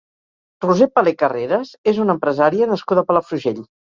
Roser Palé Carreras és una empresària nascuda a Palafrugell.